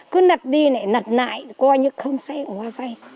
cứ nật đi nè nật lại coi như không xe hoa xe